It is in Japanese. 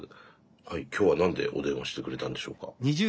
はいきょうは何でお電話してくれたんでしょうか？